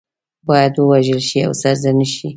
باید ووژل شي او سرزنش شي.